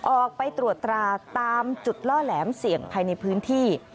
ออกไปตรวจตราตามจุดล่อแหลมเสี่ยงภายในพื้นที่